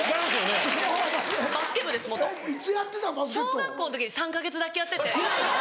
小学校の時３か月だけやってて。